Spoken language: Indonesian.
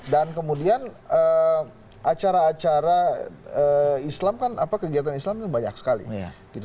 dan kemudian acara acara islam kan apa kegiatan islam itu banyak sekali